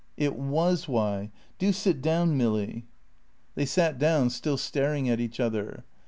"It was why. Do sit down, Milly." They sat down, still staring at each other.